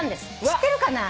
知ってるかな？